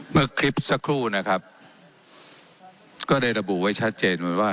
เมื่อคลิปสักครู่นะครับก็ได้ระบุไว้ชัดเจนไว้ว่า